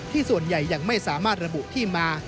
ส่วนใหญ่ยังไม่สามารถระบุที่มา